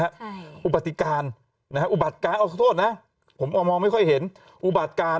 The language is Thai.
ฮะอุปสรรคอุบัติการนะเขาโทษนะผมมองไม่ค่อยเห็นอุบัติการ